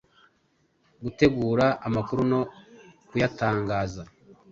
Gutegura amakuru no kuyatangaza.